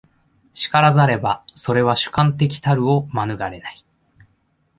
然らざれば、それは主観的たるを免れない。